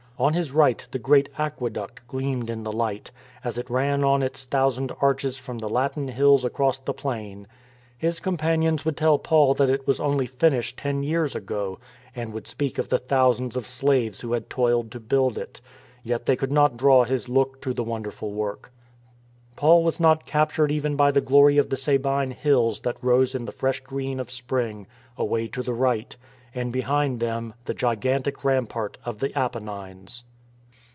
On his right the great Aqueduct gleamed in the light, as it ran on its thousand arches from the Latin Hills across the plain. His companions would tell Paul that it was only finished ten years ago, and woMd speak of the thousands of slaves who had toiled to build it; yet they could not draw his look to the wonderful work. Paul was not captured even by the glory of the Sabine Hills that rose in the fresh green of spring away to the right, and behind them the gigantic ram part of the Appennines.